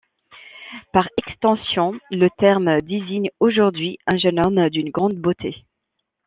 Par extension, le terme désigne aujourd'hui un jeune homme d'une grande beauté.